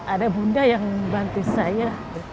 ada bunda yang bantu saya